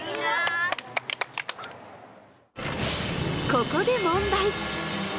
ここで問題！